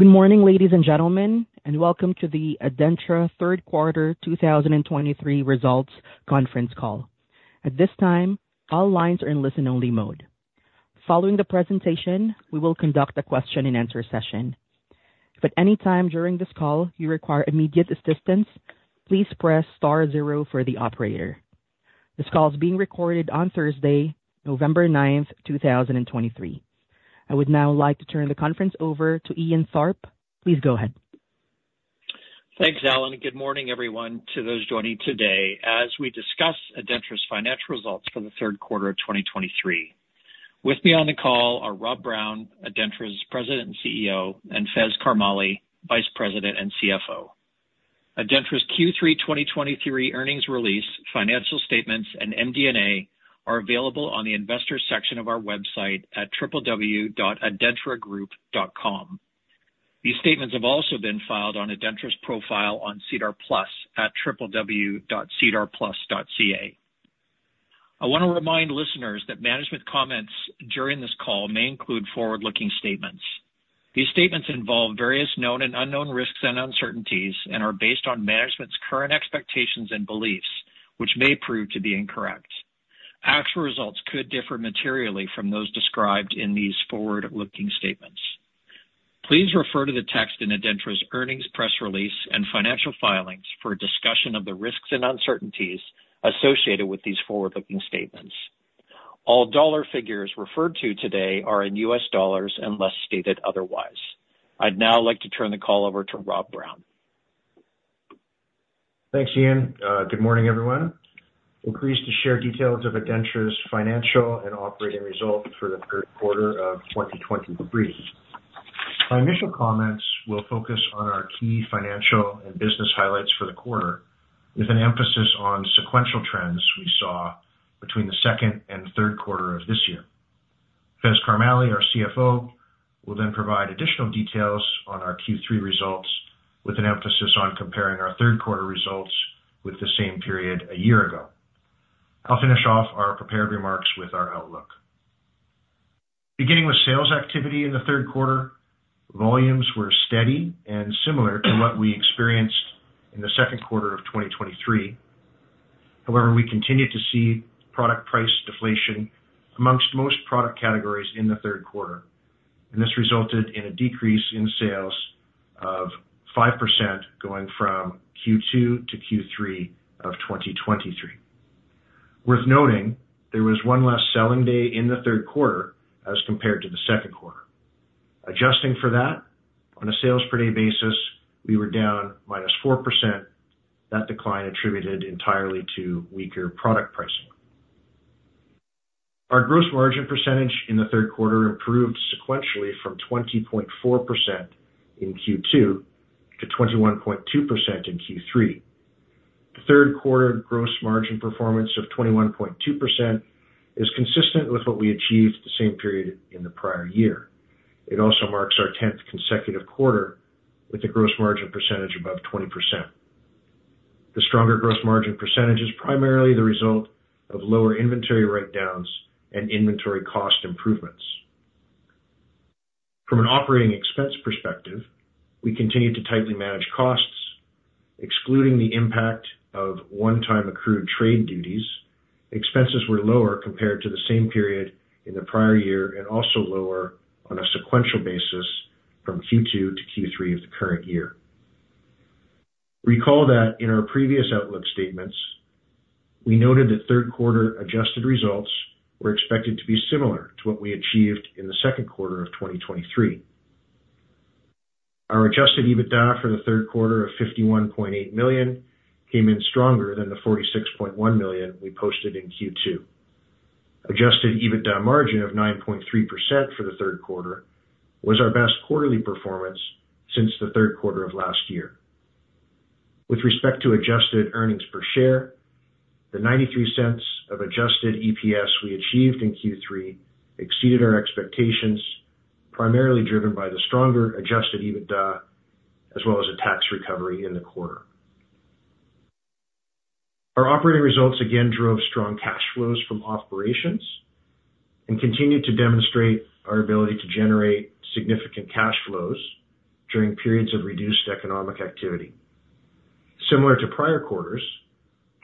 Good morning, ladies and gentlemen, and welcome to the ADENTRA third quarter 2023 results conference call. At this time, all lines are in listen-only mode. Following the presentation, we will conduct a question and answer session. If at any time during this call you require immediate assistance, please press star zero for the operator. This call is being recorded on Thursday, November 9, 2023. I would now like to turn the conference over to Ian Tharp. Please go ahead. Thanks, Alan, and good morning, everyone, to those joining today as we discuss ADENTRA's financial results for the third quarter of 2023. With me on the call are Rob Brown, ADENTRA's President and CEO, and Faiz Karmally, Vice President and CFO. ADENTRA's Q3 2023 earnings release, financial statements, and MD&A are available on the investors section of our website at www.adentragroup.com. These statements have also been filed on ADENTRA's profile on SEDAR+ at www.sedarplus.ca. I want to remind listeners that management comments during this call may include forward-looking statements. These statements involve various known and unknown risks and uncertainties and are based on management's current expectations and beliefs, which may prove to be incorrect. Actual results could differ materially from those described in these forward-looking statements. Please refer to the text in ADENTRA's earnings, press release, and financial filings for a discussion of the risks and uncertainties associated with these forward-looking statements. All dollar figures referred to today are in U.S. dollars unless stated otherwise. I'd now like to turn the call over to Rob Brown. Thanks, Ian. Good morning, everyone. I'm pleased to share details of ADENTRA's financial and operating results for the third quarter of 2023. My initial comments will focus on our key financial and business highlights for the quarter, with an emphasis on sequential trends we saw between the second and third quarter of this year. Faiz Karmally, our CFO, will then provide additional details on our Q3 results, with an emphasis on comparing our third quarter results with the same period a year ago. I'll finish off our prepared remarks with our outlook. Beginning with sales activity in the third quarter, volumes were steady and similar to what we experienced in the second quarter of 2023. However, we continued to see product price deflation among most product categories in the third quarter, and this resulted in a decrease in sales of 5% going from Q2 to Q3 of 2023. Worth noting, there was one less selling day in the third quarter as compared to the second quarter. Adjusting for that, on a sales per day basis, we were down -4%. That decline attributed entirely to weaker product pricing. Our gross margin percentage in the third quarter improved sequentially from 20.4% in Q2 to 21.2% in Q3. The third quarter gross margin performance of 21.2% is consistent with what we achieved the same period in the prior year. It also marks our tenth consecutive quarter with a gross margin percentage above 20%. The stronger gross margin percentage is primarily the result of lower inventory write-downs and inventory cost improvements. From an operating expense perspective, we continued to tightly manage costs, excluding the impact of one-time accrued trade duties. Expenses were lower compared to the same period in the prior year and also lower on a sequential basis from Q2-Q3 of the current year. Recall that in our previous outlook statements, we noted that third quarter adjusted results were expected to be similar to what we achieved in the second quarter of 2023. Our adjusted EBITDA for the third quarter of $51.8 million came in stronger than the $46.1 million we posted in Q2. Adjusted EBITDA margin of 9.3% for the third quarter was our best quarterly performance since the third quarter of last year. With respect to adjusted earnings per share, the $0.93 of adjusted EPS we achieved in Q3 exceeded our expectations, primarily driven by the stronger Adjusted EBITDA, as well as a tax recovery in the quarter. Our operating results again drove strong cash flows from operations and continued to demonstrate our ability to generate significant cash flows during periods of reduced economic activity. Similar to prior quarters,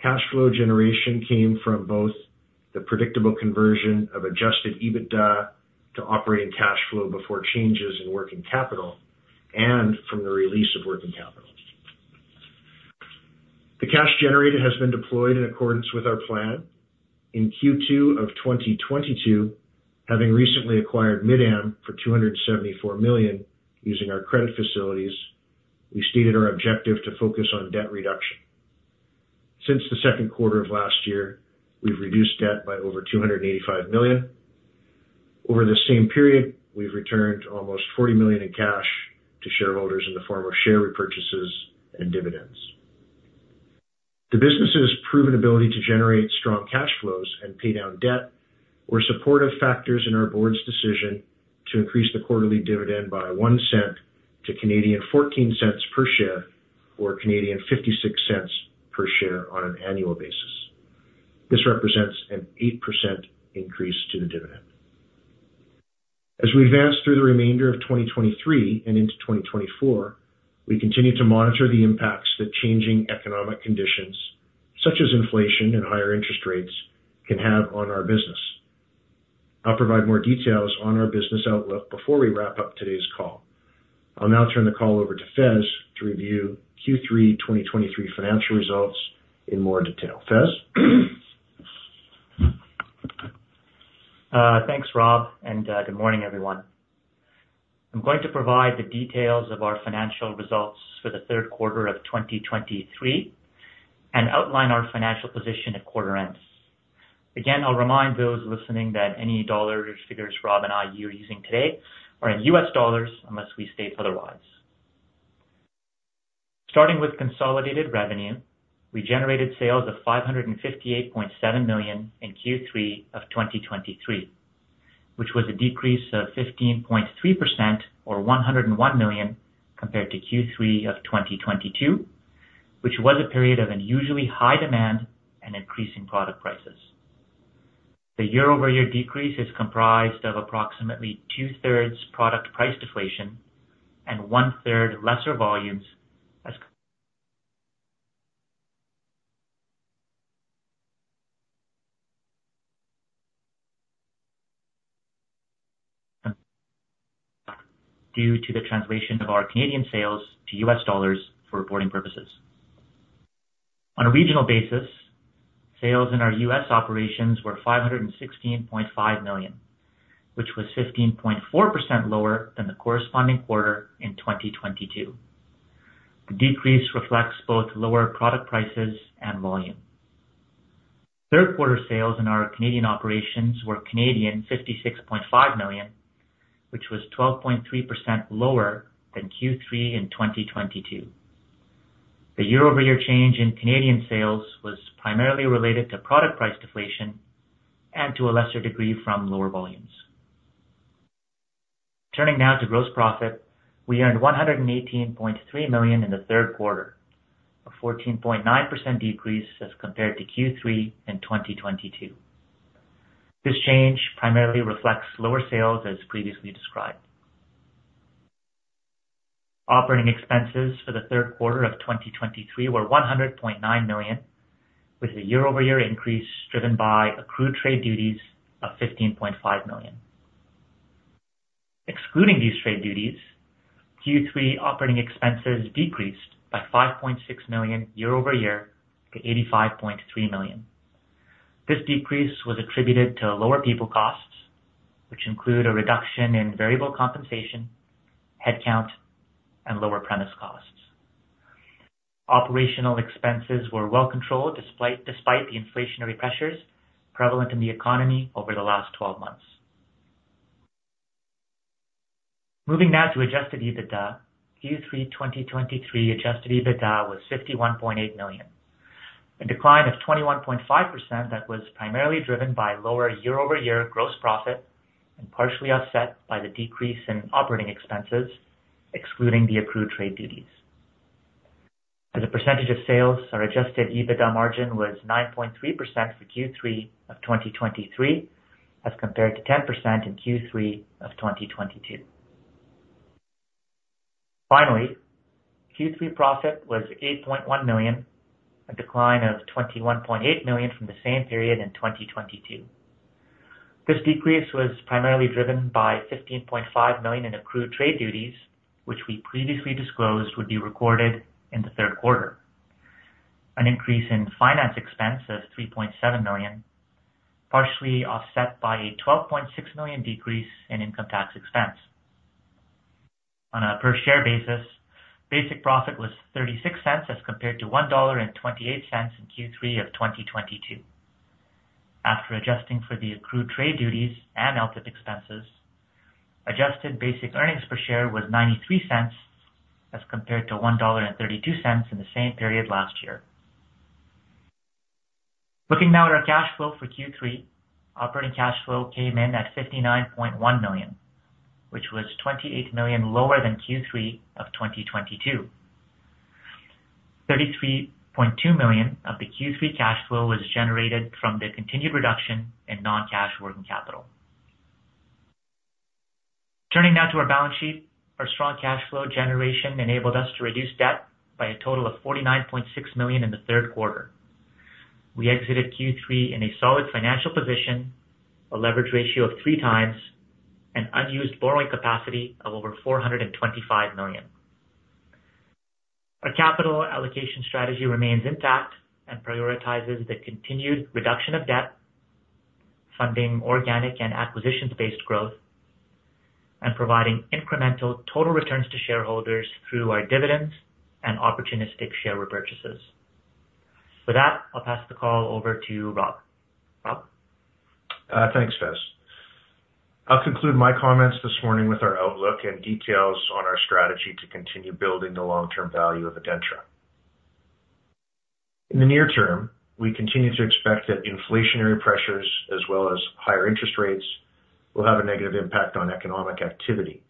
cash flow generation came from both the predictable conversion of Adjusted EBITDA to operating cash flow before changes in working capital and from the release of working capital. The cash generated has been deployed in accordance with our plan. In Q2 of 2022, having recently acquired Mid-Am for $274 million using our credit facilities, we stated our objective to focus on debt reduction. Since the second quarter of last year, we've reduced debt by over $285 million. Over the same period, we've returned almost $40 million in cash to shareholders in the form of share repurchases and dividends. The business's proven ability to generate strong cash flows and pay down debt were supportive factors in our board's decision to increase the quarterly dividend by 1 cent to 0.14 per share or 0.56 per share on an annual basis. This represents an 8% increase to the dividend. As we advance through the remainder of 2023 and into 2024, we continue to monitor the impacts that changing economic conditions, such as inflation and higher interest rates, can have on our business. I'll provide more details on our business outlook before we wrap up today's call. I'll now turn the call over to Faiz to review Q3 2023 financial results in more detail. Faiz? Thanks, Rob, and good morning, everyone. I'm going to provide the details of our financial results for the third quarter of 2023 and outline our financial position at quarter ends. Again, I'll remind those listening that any dollar figures Rob and I are using today are in U.S. dollars, unless we state otherwise. Starting with consolidated revenue, we generated sales of $558.7 million in Q3 of 2023, which was a decrease of 15.3% or $101 million compared to Q3 of 2022, which was a period of unusually high demand and increasing product prices. The year-over-year decrease is comprised of approximately 2/3 product price deflation and 1/3 lesser volumes due to the translation of our Canadian sales to U.S. dollars for reporting purposes. On a regional basis, sales in our U.S. operations were $516.5 million, which was 15.4% lower than the corresponding quarter in 2022. The decrease reflects both lower product prices and volume. Third quarter sales in our Canadian operations were 56.5 million, which was 12.3% lower than Q3 in 2022. The year-over-year change in Canadian sales was primarily related to product price deflation and to a lesser degree, from lower volumes. Turning now to gross profit, we earned $118.3 million in the third quarter, a 14.9% decrease as compared to Q3 in 2022. This change primarily reflects lower sales, as previously described. Operating expenses for the third quarter of 2023 were $100.9 million, which is a year-over-year increase driven by accrued trade duties of $15.5 million. Excluding these trade duties, Q3 operating expenses decreased by $5.6 million year-over-year to $85.3 million. This decrease was attributed to lower people costs, which include a reduction in variable compensation, headcount, and lower premise costs. Operational expenses were well controlled, despite the inflationary pressures prevalent in the economy over the last 12 months. Moving now to Adjusted EBITDA. Q3 2023 Adjusted EBITDA was $51.8 million, a decline of 21.5% that was primarily driven by lower year-over-year gross profit and partially offset by the decrease in operating expenses, excluding the accrued trade duties. As a percentage of sales, our Adjusted EBITDA margin was 9.3% for Q3 of 2023, as compared to 10% in Q3 of 2022. Finally, Q3 profit was $8.1 million, a decline of $21.8 million from the same period in 2022. This decrease was primarily driven by $15.5 million in accrued trade duties, which we previously disclosed would be recorded in the third quarter. An increase in finance expense of $3.7 million, partially offset by a $12.6 million decrease in income tax expense. On a per share basis, basic profit was $0.36, as compared to $1.28 in Q3 of 2022. After adjusting for the accrued trade duties and outlook expenses, adjusted basic earnings per share was $0.93, as compared to $1.32 in the same period last year. Looking now at our cash flow for Q3. Operating cash flow came in at $59.1 million, which was $28 million lower than Q3 of 2022. $33.2 million of the Q3 cash flow was generated from the continued reduction in non-cash working capital. Turning now to our balance sheet. Our strong cash flow generation enabled us to reduce debt by a total of $49.6 million in the third quarter. We exited Q3 in a solid financial position, a leverage ratio of 3x, and unused borrowing capacity of over $425 million. Our capital allocation strategy remains intact and prioritizes the continued reduction of debt, funding organic and acquisitions-based growth, and providing incremental total returns to shareholders through our dividends and opportunistic share repurchases. With that, I'll pass the call over to you, Rob. Rob? Thanks, Faiz. I'll conclude my comments this morning with our outlook and details on our strategy to continue building the long-term value of ADENTRA. In the near term, we continue to expect that inflationary pressures, as well as higher interest rates, will have a negative impact on economic activity.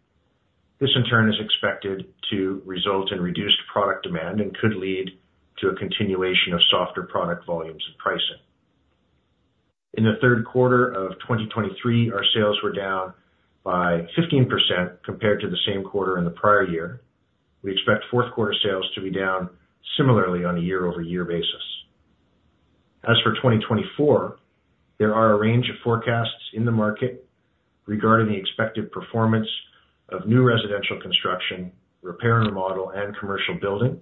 This in turn is expected to result in reduced product demand and could lead to a continuation of softer product volumes and pricing. In the third quarter of 2023, our sales were down by 15% compared to the same quarter in the prior year. We expect fourth quarter sales to be down similarly on a year-over-year basis. As for 2024, there are a range of forecasts in the market regarding the expected performance of new residential construction, repair and remodel, and commercial building.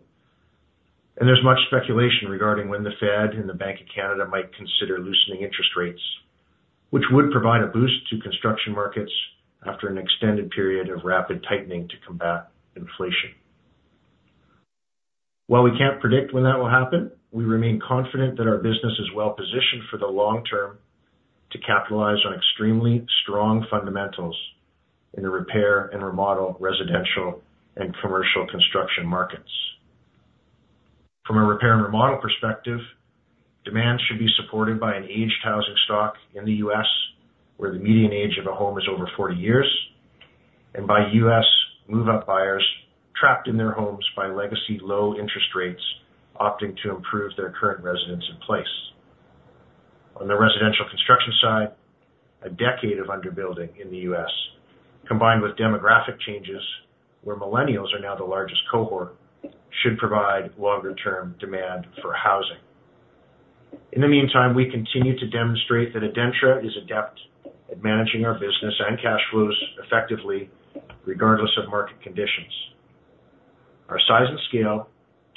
There's much speculation regarding when the Fed and the Bank of Canada might consider loosening interest rates, which would provide a boost to construction markets after an extended period of rapid tightening to combat inflation. While we can't predict when that will happen, we remain confident that our business is well positioned for the long term to capitalize on extremely strong fundamentals in the repair and remodel residential and commercial construction markets. From a repair and remodel perspective, demand should be supported by an aged housing stock in the U.S., where the median age of a home is over 40 years, and by U.S. move-up buyers trapped in their homes by legacy low interest rates, opting to improve their current residence in place. On the residential construction side, a decade of under-building in the U.S., combined with demographic changes where millennials are now the largest cohort, should provide longer term demand for housing. In the meantime, we continue to demonstrate that ADENTRA is adept at managing our business and cash flows effectively, regardless of market conditions. Our size and scale,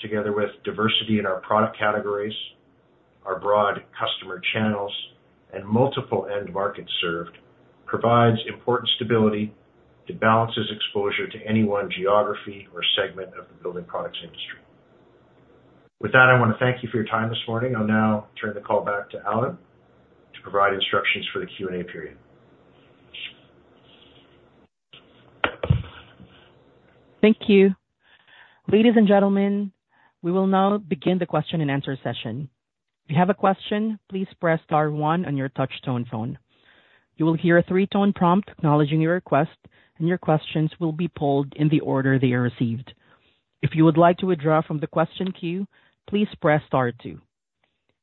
together with diversity in our product categories, our broad customer channels, and multiple end markets served, provides important stability that balances exposure to any one geography or segment of the building products industry. With that, I want to thank you for your time this morning. I'll now turn the call back to Alan to provide instructions for the Q&A period. Thank you. Ladies and gentlemen, we will now begin the question-and-answer session. If you have a question, please press star one on your touch tone phone. You will hear a three-tone prompt acknowledging your request, and your questions will be pulled in the order they are received. If you would like to withdraw from the question queue, please press star two.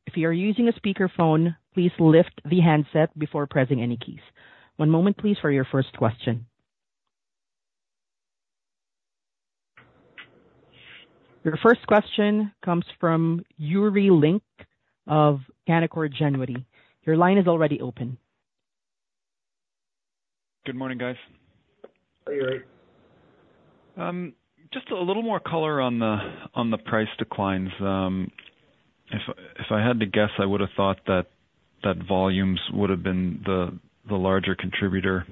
If you are using a speakerphone, please lift the handset before pressing any keys. One moment, please, for your first question. Your first question comes from Yuri Lynk of Canaccord Genuity. Your line is already open. Good morning, guys. Hey, Yuri. Just a little more color on the price declines. If I had to guess, I would have thought that volumes would have been the larger contributor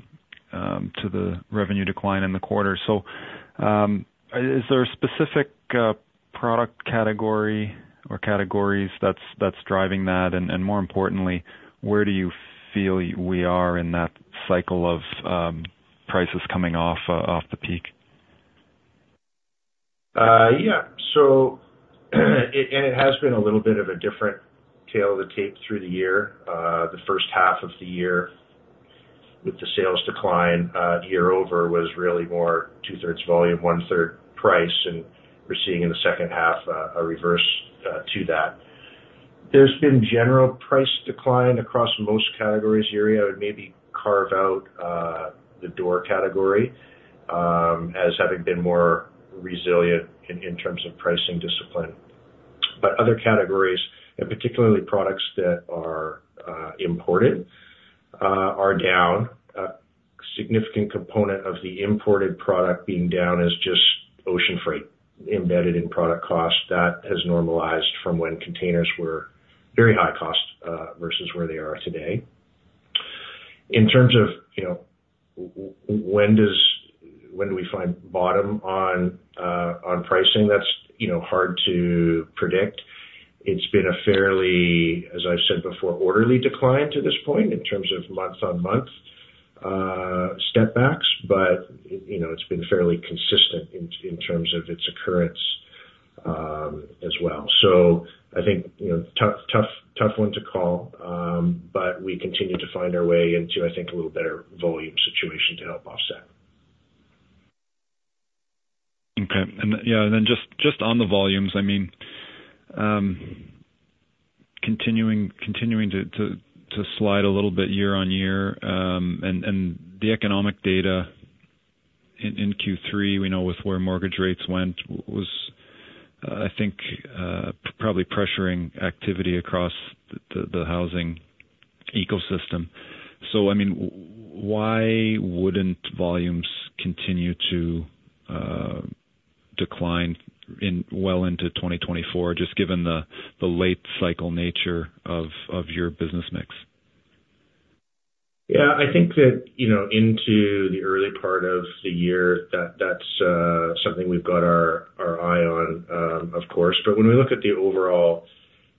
to the revenue decline in the quarter. So, is there a specific product category or categories that's driving that? And more importantly, where do you feel we are in that cycle of prices coming off the peak? Yeah. So and it has been a little bit of a different tale of the tape through the year. The first half of the year, with the sales decline year-over-year, was really more 2/3 volume, 1/3 price, and we're seeing in the second half a reverse to that. There's been general price decline across most categories, Yuri. I would maybe carve out the door category as having been more resilient in terms of pricing discipline. But other categories, and particularly products that are imported, are down. A significant component of the imported product being down is just ocean freight embedded in product cost. That has normalized from when containers were very high cost versus where they are today. In terms of, you know, when does... When do we find bottom on pricing? That's, you know, hard to predict. It's been a fairly, as I've said before, orderly decline to this point in terms of month-on-month step backs, but, you know, it's been fairly consistent in terms of its occurrence, as well. So I think, you know, tough, tough, tough one to call, but we continue to find our way into, I think, a little better volume situation to help offset. Yeah, and then just on the volumes, I mean, continuing to slide a little bit year-on-year, and the economic data in Q3, we know with where mortgage rates went, was, I think, probably pressuring activity across the housing ecosystem. So, I mean, why wouldn't volumes continue to decline well into 2024, just given the late cycle nature of your business mix? Yeah, I think that, you know, into the early part of the year, that's something we've got our eye on, of course. But when we look at the overall,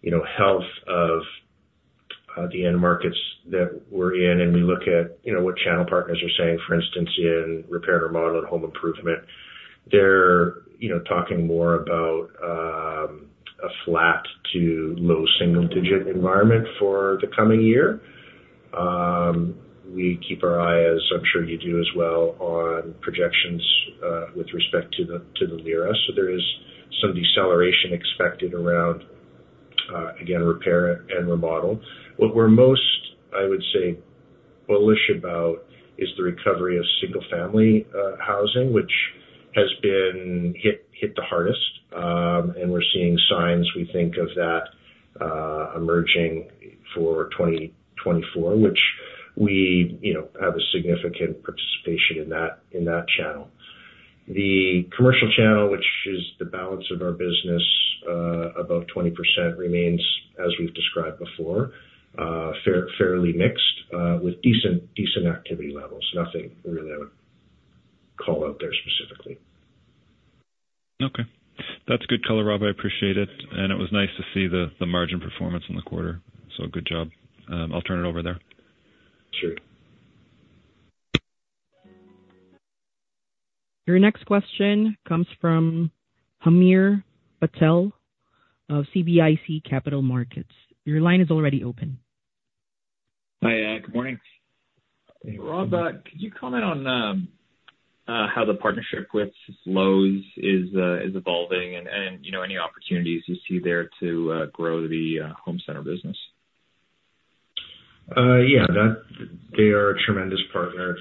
you know, health of the end markets that we're in, and we look at, you know, what channel partners are saying, for instance, in repair and remodel and home improvement, they're, you know, talking more about a flat to low single digit environment for the coming year. We keep our eye, as I'm sure you do as well, on projections with respect to the NAR's. So there is some deceleration expected around, again, repair and remodel. What we're most, I would say, bullish about is the recovery of single family housing, which has been hit the hardest. And we're seeing signs we think of that emerging for 2024, which we, you know, have a significant participation in that, in that channel. The commercial channel, which is the balance of our business, above 20%, remains, as we've described before, fairly mixed, with decent activity levels. Nothing really I would call out there specifically. Okay, that's good color, Rob. I appreciate it, and it was nice to see the margin performance in the quarter. Good job. I'll turn it over there. Sure. Your next question comes from Hamir Patel of CIBC Capital Markets. Your line is already open. Hi, good morning. Rob, could you comment on how the partnership with Lowe's is evolving and, you know, any opportunities you see there to grow the home center business? Yeah, that they are a tremendous partner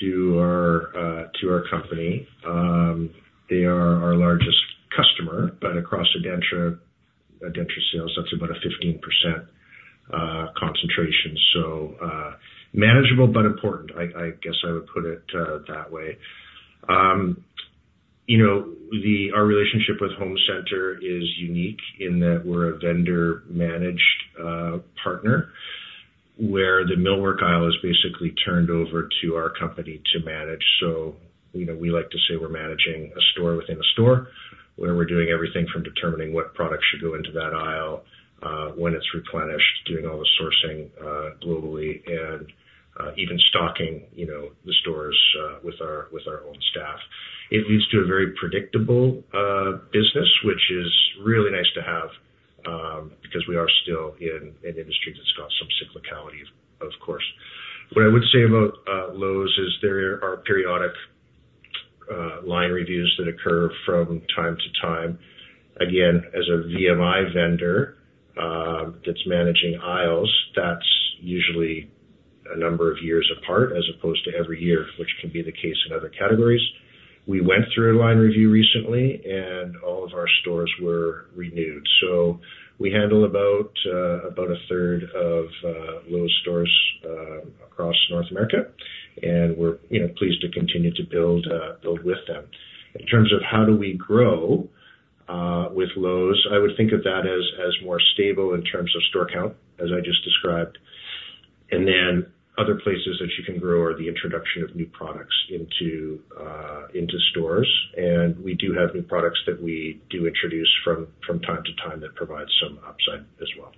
to our, to our company. They are our largest customer, but across ADENTRA, ADENTRA sales, that's about a 15% concentration. So, manageable but important, I, I guess I would put it, that way. You know, our relationship with Lowe's is unique in that we're a vendor managed partner, where the millwork aisle is basically turned over to our company to manage. So, you know, we like to say we're managing a store within a store, where we're doing everything from determining what products should go into that aisle, when it's replenished, doing all the sourcing, globally, and even stocking, you know, the stores, with our, with our own staff. It leads to a very predictable business, which is really nice to have, because we are still in an industry that's got some cyclicality, of course. What I would say about Lowe's is there are periodic line reviews that occur from time to time. Again, as a VMI vendor that's managing aisles, that's usually a number of years apart, as opposed to every year, which can be the case in other categories. We went through a line review recently, and all of our stores were renewed. So we handle about a third of Lowe's stores across North America, and we're, you know, pleased to continue to build with them. In terms of how do we grow with Lowe's, I would think of that as more stable in terms of store count, as I just described. And then other places that you can grow are the introduction of new products into stores, and we do have new products that we do introduce from time to time that provide some upside as well.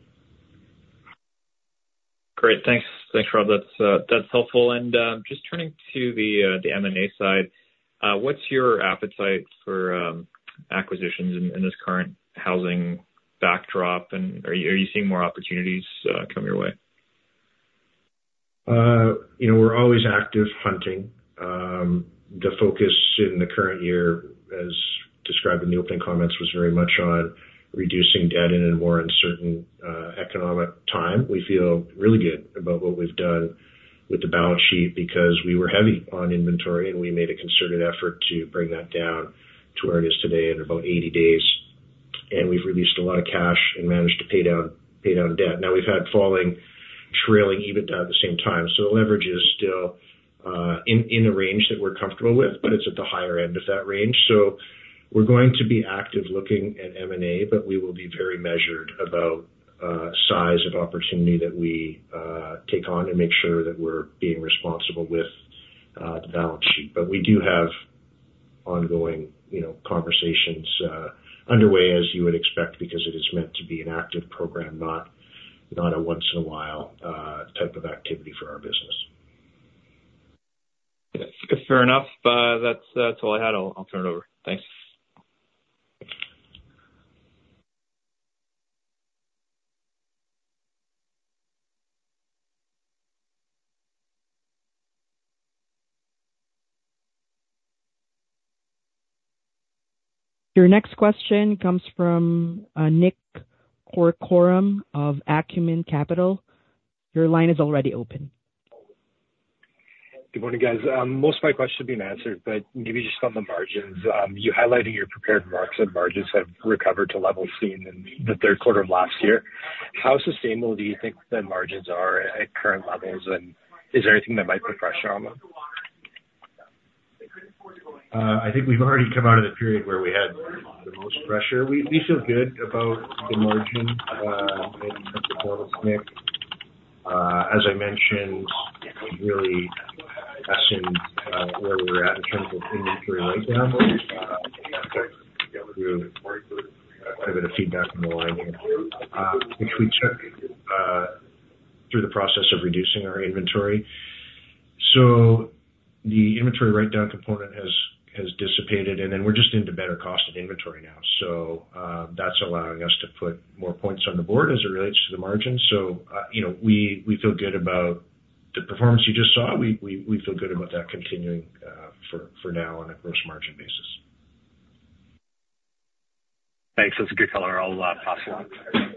Great. Thanks. Thanks, Rob. That's helpful. And just turning to the M&A side, what's your appetite for acquisitions in this current housing backdrop? And are you seeing more opportunities come your way? You know, we're always active hunting. The focus in the current year, as described in the opening comments, was very much on reducing debt in a more uncertain economic time. We feel really good about what we've done with the balance sheet because we were heavy on inventory, and we made a concerted effort to bring that down to where it is today in about 80 days. And we've released a lot of cash and managed to pay down, pay down debt. Now, we've had falling trailing EBITDA at the same time, so the leverage is still in, in the range that we're comfortable with, but it's at the higher end of that range. So we're going to be active looking at M&A, but we will be very measured about size of opportunity that we take on and make sure that we're being responsible with the balance sheet. But we do have ongoing, you know, conversations underway, as you would expect, because it is meant to be an active program, not a once in a while type of activity for our business. Fair enough. That's, that's all I had. I'll, I'll turn it over. Thanks. Your next question comes from Nick Corcoran of Acumen Capital. Your line is already open. Good morning, guys. Most of my questions have been answered, but maybe just on the margins. You highlighted your prepared remarks that margins have recovered to levels seen in the third quarter of last year. How sustainable do you think the margins are at current levels, and is there anything that might put pressure on them? I think we've already come out of the period where we had the most pressure. We feel good about the margin at this point, Nick. As I mentioned, we really questioned where we were at in terms of inventory right now. We have a bit of feedback on the line here. Which we checked through the process of reducing our inventory. So the inventory write-down component has dissipated, and then we're just into better cost of inventory now. So that's allowing us to put more points on the board as it relates to the margin. So you know, we feel good about the performance you just saw. We feel good about that continuing for now on a gross margin basis. Thanks. That's a good color. I'll pass it on.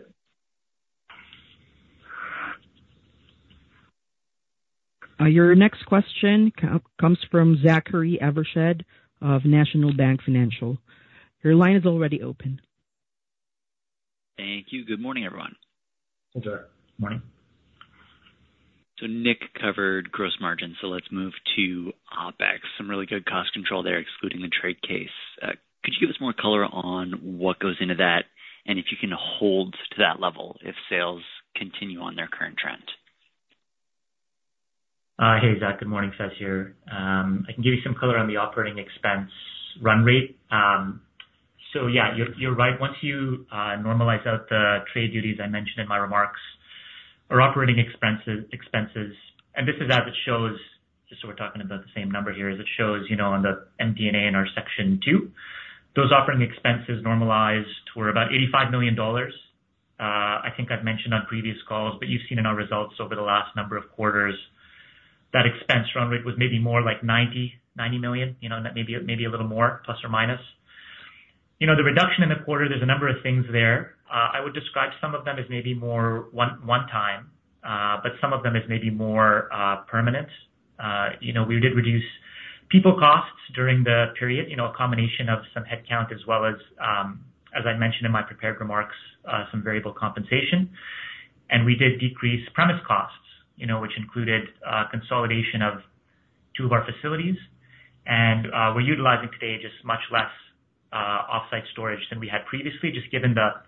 Your next question comes from Zachary Evershed of National Bank Financial. Your line is already open. Thank you. Good morning, everyone. Hey Zach, morning. So Nick covered gross margin, so let's move to OpEx. Some really good cost control there excluding the trade case. Could you give us more color on what goes into that? And if you can hold to that level, if sales continue on their current trend. Hey, Zach, good morning. Faiz here. I can give you some color on the operating expense run rate. So yeah, you're right. Once you normalize out the trade duties I mentioned in my remarks, our operating expenses, and this is as it shows, just so we're talking about the same number here, as it shows, you know, on the MD&A in our section two. Those operating expenses normalized were about $85 million. I think I've mentioned on previous calls, but you've seen in our results over the last number of quarters, that expense run rate was maybe more like 90 million, you know, and that may be, maybe a little more, plus or minus. You know, the reduction in the quarter, there's a number of things there. I would describe some of them as maybe more one, one time, but some of them as maybe more, permanent. You know, we did reduce people costs during the period, you know, a combination of some headcount as well as, as I mentioned in my prepared remarks, some variable compensation. We did decrease premises costs, you know, which included, consolidation of two of our facilities. We're utilizing today, just much less, offsite storage than we had previously, just given the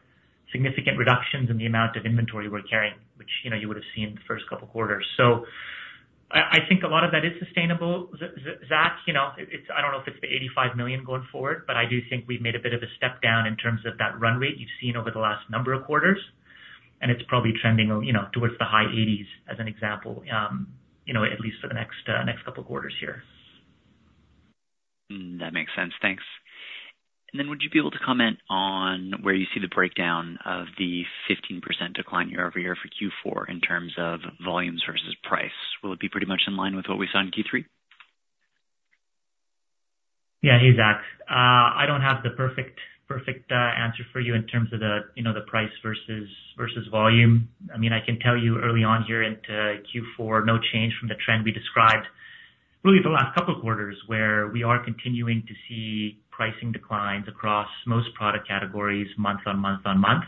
significant reductions in the amount of inventory we're carrying, which, you know, you would have seen the first couple of quarters. So I think a lot of that is sustainable. Zach, you know, it's—I don't know if it's the $85 million going forward, but I do think we've made a bit of a step down in terms of that run rate you've seen over the last number of quarters, and it's probably trending, you know, towards the high 80s, as an example, you know, at least for the next, next couple of quarters here. That makes sense. Thanks. And then would you be able to comment on where you see the breakdown of the 15% decline year-over-year for Q4 in terms of volumes versus price? Will it be pretty much in line with what we saw in Q3? Yeah. Hey, Zach. I don't have the perfect, perfect answer for you in terms of the, you know, the price versus, versus volume. I mean, I can tell you early on here into Q4, no change from the trend we described, really the last couple of quarters, where we are continuing to see pricing declines across most product categories, month-on-month.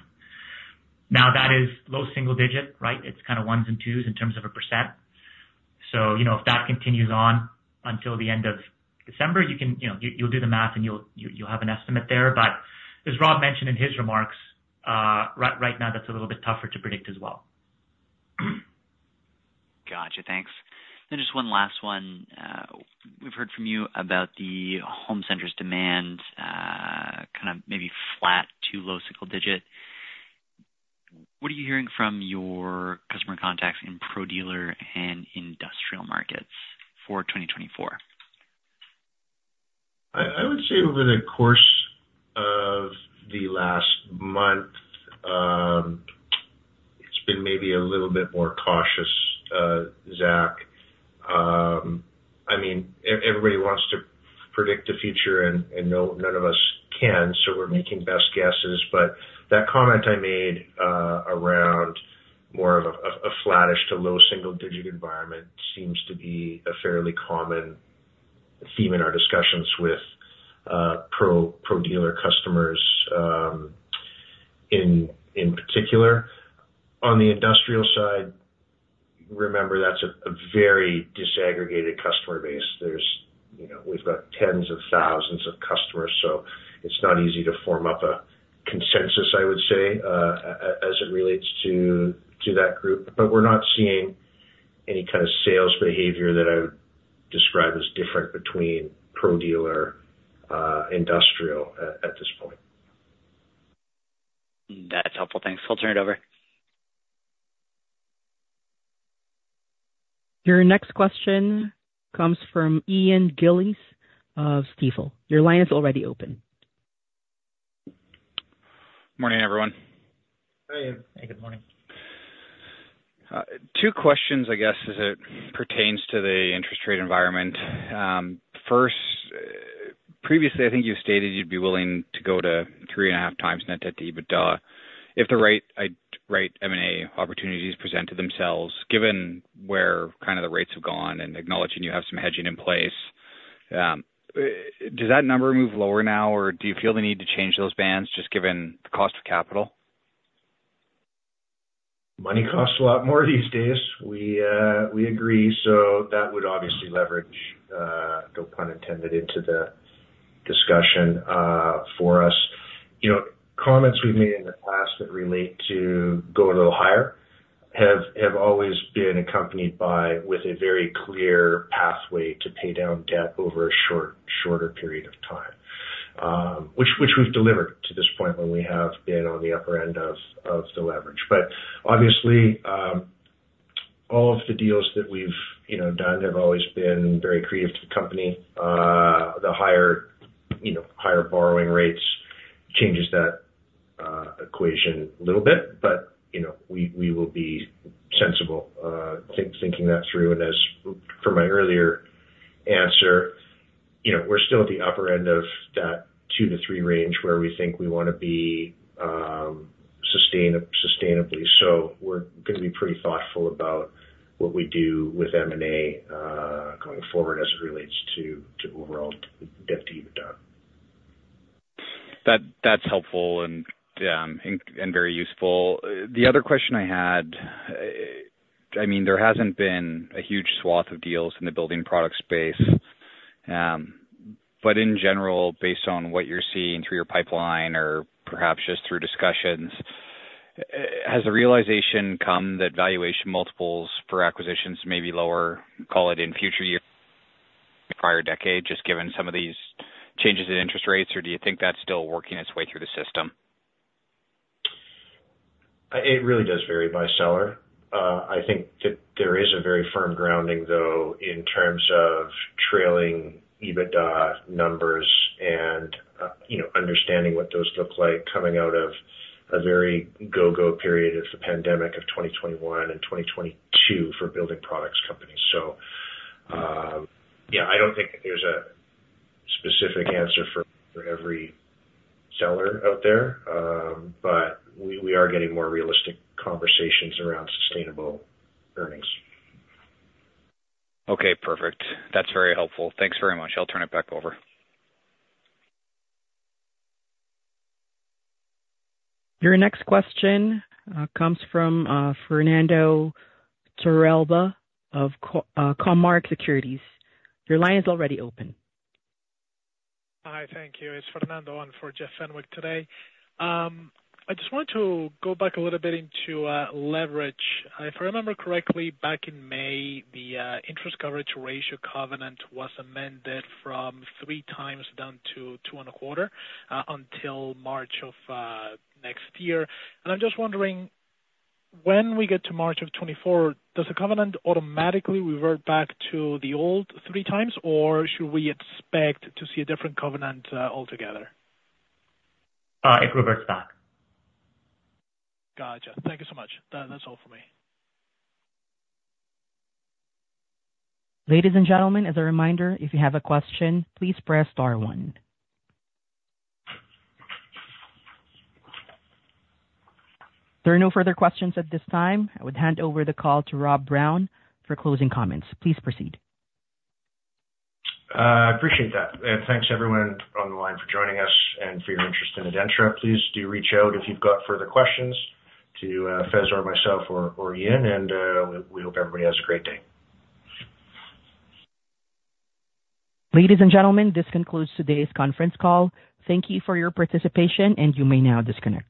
Now, that is low single-digit, right? It's kind of ones and twos in terms of a %. So, you know, if that continues on until the end of December, you can, you know, you'll do the math and you'll, you'll have an estimate there. But as Rob mentioned in his remarks, right, right now, that's a little bit tougher to predict as well. Gotcha. Thanks. Just one last one. We've heard from you about the home centers demand, kind of maybe flat to low single digit. What are you hearing from your customer contacts in pro dealer and industrial markets for 2024? I would say over the course of the last month, it's been maybe a little bit more cautious, Zach. I mean, everybody wants to predict the future and none of us can, so we're making best guesses. But that comment I made around more of a flattish to low single digit environment seems to be a fairly common theme in our discussions with pro dealer customers in particular. On the industrial side, remember, that's a very disaggregated customer base. There's, you know, we've got tens of thousands of customers, so it's not easy to form up a consensus, I would say, as it relates to that group. But we're not seeing any kind of sales behavior that I would describe as different between pro dealer industrial at this point. That's helpful. Thanks. I'll turn it over. Your next question comes from Ian Gillies of Stifel. Your line is already open. Morning, everyone. Hi. Hey, good morning. Two questions, I guess, as it pertains to the interest rate environment. First, previously, I think you stated you'd be willing to go to 3.5x net debt to EBITDA if the right M&A opportunities presented themselves. Given where kind of the rates have gone and acknowledging you have some hedging in place, does that number move lower now, or do you feel the need to change those bands, just given the cost of capital? Money costs a lot more these days. We agree, so that would obviously leverage, no pun intended, into the discussion for us. You know, comments we've made in the past that relate to going a little higher have always been accompanied by with a very clear pathway to pay down debt over a short, shorter period of time, which we've delivered to this point when we have been on the upper end of the leverage. But obviously, all of the deals that we've you know done have always been very creative to the company. The higher you know higher borrowing rates changes that equation a little bit, but you know we will be sensible thinking that through. As from my earlier answer, you know, we're still at the upper end of that two-three range where we think we wanna be, sustainably. So we're gonna be pretty thoughtful about what we do with M&A going forward as it relates to overall debt to EBITDA. That, that's helpful and, yeah, very useful. The other question I had, I mean, there hasn't been a huge swath of deals in the building product space. But in general, based on what you're seeing through your pipeline or perhaps just through discussions, has the realization come that valuation multiples for acquisitions may be lower, call it in future years, the prior decade, just given some of these changes in interest rates? Or do you think that's still working its way through the system? It really does vary by seller. I think that there is a very firm grounding, though, in terms of trailing EBITDA numbers and, you know, understanding what those look like coming out of a very go-go period of the pandemic of 2021 and 2022 for building products companies. So, yeah, I don't think that there's a specific answer for every seller out there, but we are getting more realistic conversations around sustainable earnings. Okay, perfect. That's very helpful. Thanks very much. I'll turn it back over. Your next question comes from Fernando Torrealba of Cormark Securities. Your line is already open. Hi, thank you. It's Fernando on for Jeff Fenwick today. I just wanted to go back a little bit into leverage. If I remember correctly, back in May, the interest coverage ratio covenant was amended from 3x down to 2.25, until March of next year. And I'm just wondering, when we get to March of 2024, does the covenant automatically revert back to the old 3x, or should we expect to see a different covenant altogether? It reverts back. Gotcha. Thank you so much. That, that's all for me. Ladies and gentlemen, as a reminder, if you have a question, please press star one. There are no further questions at this time. I would hand over the call to Rob Brown for closing comments. Please proceed. I appreciate that, and thanks everyone on the line for joining us and for your interest in ADENTRA. Please do reach out if you've got further questions to Faiz or myself or Ian, and we hope everybody has a great day. Ladies and gentlemen, this concludes today's conference call. Thank you for your participation, and you may now disconnect.